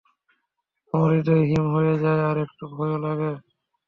আমার হৃদয় হিম হয়ে যায় আর একটু ভয়ও লাগে।